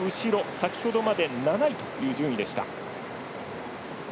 先ほどまで７位という順位でした。